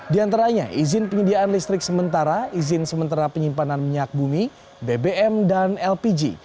di antaranya izin penyediaan listrik sementara izin sementara penyimpanan minyak bumi bbm dan lpg